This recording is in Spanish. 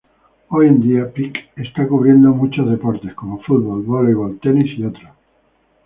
Hoy en día, Peak está cubriendo muchos deportes como fútbol, voleibol, tenis y otros.